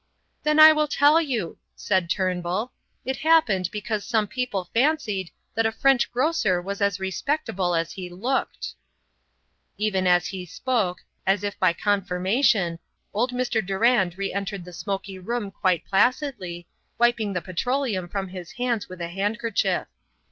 "Then I will tell you," said Turnbull; "it happened because some people fancied that a French grocer was as respectable as he looked." Even as he spoke, as if by confirmation, old Mr. Durand re entered the smoky room quite placidly, wiping the petroleum from his hands with a handkerchief.